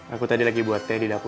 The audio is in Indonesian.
aku tadi lagi buat teh di dapur